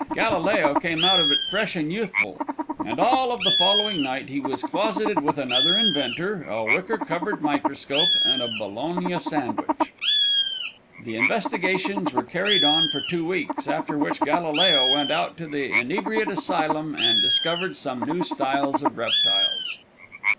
Galileo came out of it fresh and youthful, and all of the following night he was closeted with another inventor, a wicker covered microscope, and a bologna sausage. The investigations were carried on for two weeks, after which Galileo went out to the inebriate asylum and discovered some new styles of reptiles.